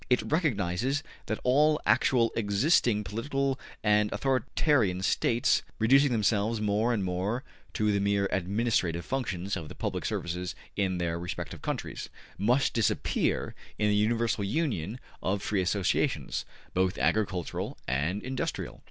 It recognizes that all actually existing political and authoritarian States, reducing themselves more and more to the mere administrative functions of the public services in their respective countries, must disappear in the universal union of free associations, both agricultural and industrial.